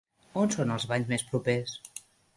On són els banys més propers?